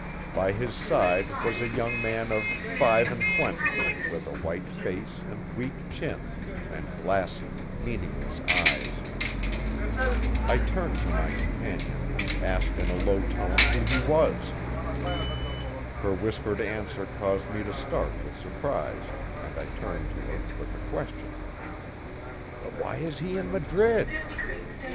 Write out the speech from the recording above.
By his side was a young man of five and twenty with a white face and weak chin, and glassy, meaningless eyes. I turned to my companion and asked in a low tone who he was. Her whispered answer caused me to start with surprise, and I turned to her with a question. "But why is he in Madrid?"